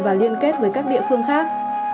và liên kết với các địa phương khác